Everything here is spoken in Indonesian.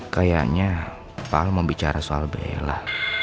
kayaknya pal mau bicara soal bella